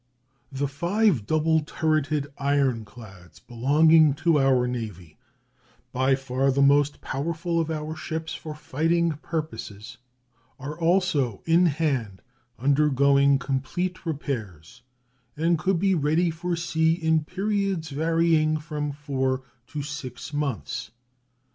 The five double turreted ironclads belonging to our Navy, by far the most powerful of our ships for fighting purposes, are also in hand undergoing complete repairs, and could be ready for sea in periods varying from four to six months.